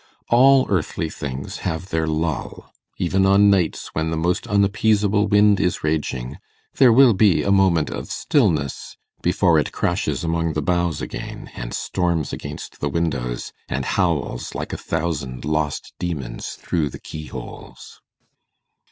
All earthly things have their lull: even on nights when the most unappeasable wind is raging, there will be a moment of stillness before it crashes among the boughs again, and storms against the windows, and howls like a thousand lost demons through the keyholes.